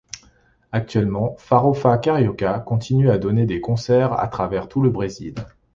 Actuellement, Farofa Carioca continue à donner des concerts à travers tout le brésil.